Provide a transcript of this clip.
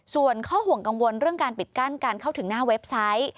ส่วนข้อห่วงกังวลเรื่องการปิดกั้นการเข้าถึงหน้าเว็บไซต์